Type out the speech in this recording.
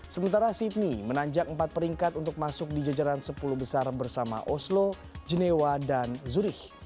sementara sydney menanjak empat peringkat untuk masuk di jajaran sepuluh besar bersama oslo genewa dan zurich